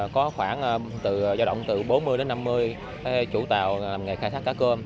có khoảng do động từ bốn mươi đến năm mươi chủ tàu làm nghề khai thác cá cơm